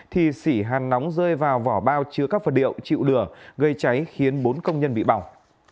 thì xỉ hàn nóng rơi vào vỏ bao chứa các vật điệu chịu lửa gây cháy khiến bốn công nhân bị bỏng